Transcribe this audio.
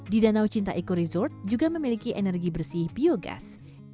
di danau cinta eco resort juga memiliki energi bersih biogas